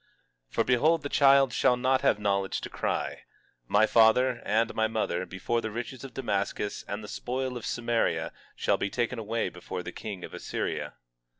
18:4 For behold, the child shall not have knowledge to cry, My father, and my mother, before the riches of Damascus and the spoil of Samaria shall be taken away before the king of Assyria.